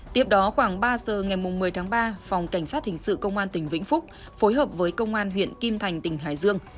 tiếp đó khoảng ba giờ ngày một mươi tháng ba phòng cảnh sát hình sự công an tỉnh vĩnh phúc phối hợp với công an huyện kim thành tỉnh hải dương